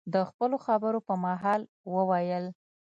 د خپلو خبرو په مهال، وویل: